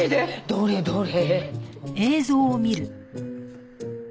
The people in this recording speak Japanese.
どれどれ？